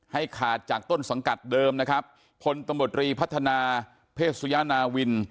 ให้ขาดจากต้นสังกัดเดิมนะครับพลตำรวจรีพัฒนาเพศยานาวิน